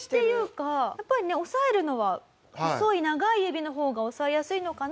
やっぱりね押さえるのは細い長い指の方が押さえやすいのかな？